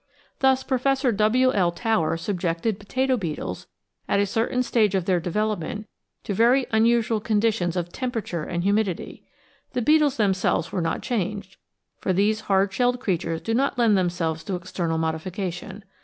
Thus Professor W. L. Tower subjected potato beetles at a cer tain stage of their development to very unusual conditions of temperature and humidity. The beetles themselves were not changed, for these hard shelled creatures do not lend themselves to external modification.